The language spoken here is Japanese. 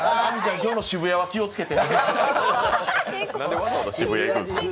今日の渋谷は気をつけて。